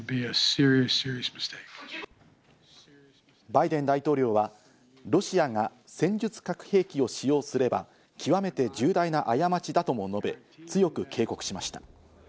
バイデン大統領は、ロシアが戦術核兵器を使用すれば、極めて重大な過ちだとも述べ、強く警告しました。